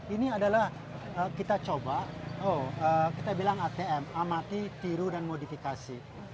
ini adalah kita coba oh kita bilang atm amati tiru dan modifikasi